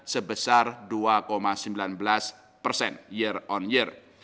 sebesar dua sembilan belas persen year on year